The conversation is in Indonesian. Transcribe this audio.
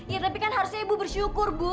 ya tapi kan harusnya ibu bersyukur bu